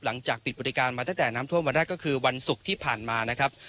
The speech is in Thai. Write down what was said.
หลังจากปิดบริการมาตั้งแต่น้ำท่วมวันแรกก็คือวันศุกร์ที่ผ่านมานะครับ